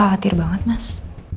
aku khawatir banget mas